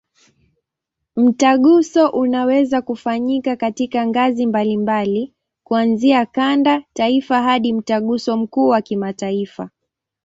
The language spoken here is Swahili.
Mtaguso unaweza kufanyika katika ngazi mbalimbali, kuanzia kanda, taifa hadi Mtaguso mkuu wa kimataifa.